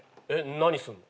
何すんの？